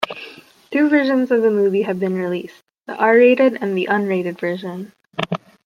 Two versions of the movie have been released: the R-Rated and the Unrated Version.